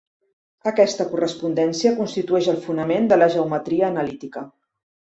Aquesta correspondència constitueix el fonament de la geometria analítica.